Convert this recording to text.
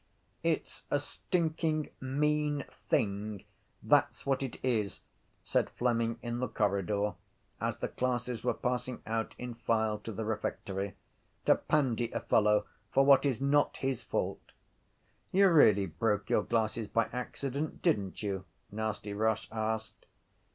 —It’s a stinking mean thing, that’s what it is, said Fleming in the corridor as the classes were passing out in file to the refectory, to pandy a fellow for what is not his fault. —You really broke your glasses by accident, didn’t you? Nasty Roche asked.